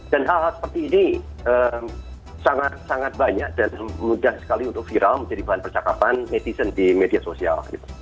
dan hal hal seperti ini sangat sangat banyak dan mudah sekali untuk viral menjadi bahan percakapan netizen di media sosial